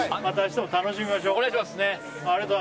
明日も楽しみましょう。